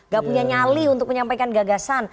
gak punya nyali untuk menyampaikan gagasan